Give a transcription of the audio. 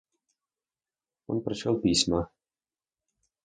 Он прочел письма.